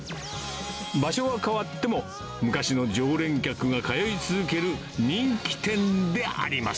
場所は変わっても、昔の常連客が通い続ける人気店であります。